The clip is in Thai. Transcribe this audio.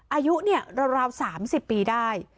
อายุเนี่ยราว๓๐ปีได้